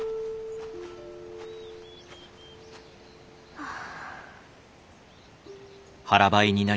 はあ。